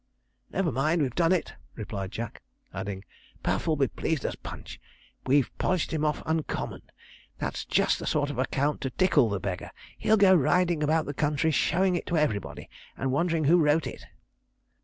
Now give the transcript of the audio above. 'Never mind, we've done it,' replied Jack, adding, 'Puff'll be as pleased as Punch. We've polished him off uncommon. That's just the sort of account to tickle the beggar. He'll go riding about the country, showing it to everybody, and wondering who wrote it.'